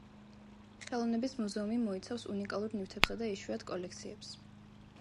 ხელოვნების მუზეუმი მოიცავს უნიკალურ ნივთებსა და იშვიათ კოლექციებს.